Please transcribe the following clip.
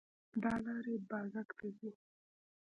دا لار اببازک ته ځي